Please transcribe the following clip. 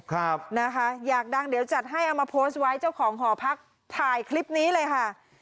ครับนะคะอยากดังเดี๋ยวจัดให้เอามาโพสต์ไว้เจ้าของหอพักถ่ายคลิปนี้เลยค่ะ